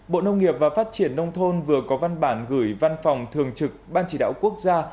bộ nông nghiệp và phát triển nông thôn vừa có văn bản gửi văn phòng thường trực ban chỉ đạo quốc gia